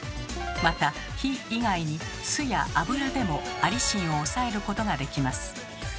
また火以外に酢や油でもアリシンを抑えることができます。